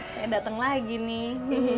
saya dateng lagi nih